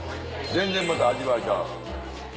全然また味わいちゃう。